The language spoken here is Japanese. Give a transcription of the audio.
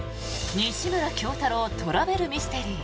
「西村京太郎トラベルミステリー」